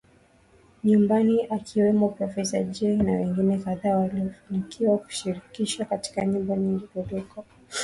nyumbani akiwemo Profesa Jay na wengine kadhaa waliofanikiwa kushirikishwa katika nyimbo nyingi kuliko wasanii